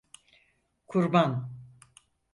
Kurban…